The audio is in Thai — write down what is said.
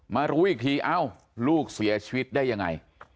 รู้อีกทีเอ้าลูกเสียชีวิตได้ยังไง